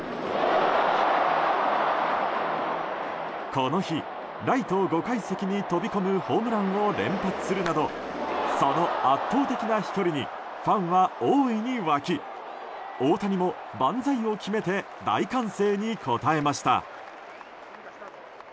この日、ライト５階席に飛び込むホームランを連発するなどその圧倒的な飛距離にファンは大いに沸き大谷も万歳を決めて大歓声に応えました。